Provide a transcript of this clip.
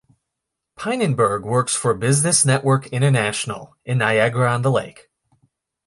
Pynenburg works for Business Network International in Niagara-on-the-Lake.